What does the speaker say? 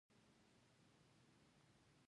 هغه محال په وردګو کې د نجونو ښونځي نه وه